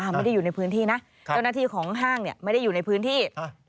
ไม่ได้อยู่ในพื้นที่นะเจ้าหน้าที่ของห้างไม่ได้อยู่ในพื้นที่